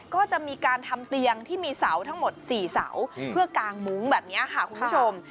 ก็จะมีการทำเตียงที่มีเสาทั้งหมด๔เสาเพื่อกางมุ้งแบบนี้ค่ะคุณผู้ชม